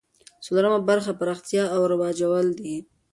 څلورمه برخه پراختیا او رواجول دي.